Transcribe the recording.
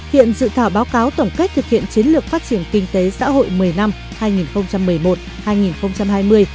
hiện dự thảo báo cáo tổng kết thực hiện chiến lược phát triển kinh tế xã hội một mươi năm hai nghìn một mươi một hai nghìn hai mươi